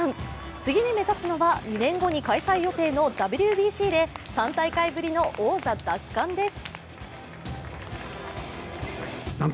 次に目指すのは２年後に開催予定のＷＢＣで３大会ぶりの王座奪還です。